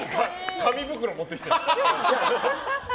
紙袋を持ってきてる。